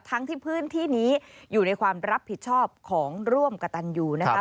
ทั้งที่พื้นที่นี้อยู่ในความรับผิดชอบของร่วมกับตันยูนะคะ